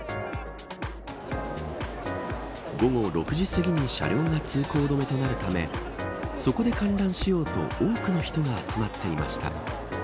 午後６時すぎに車両が通行止めとなるためそこで観覧しようと多くの人が集まっていました。